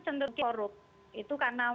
cenderung korup itu karena